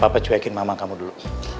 biar papa cuekin mama kamu dulu